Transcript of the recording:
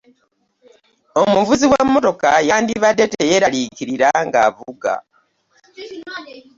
Omuvuzi w'emmotoka yandibadde teyeeraliikirira ng'avuga.